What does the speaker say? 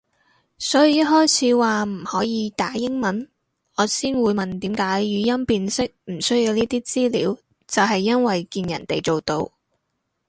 所以一開始話唔可以打英文，我先會問點解語音辨識唔需要呢啲資料就係因為見人哋做到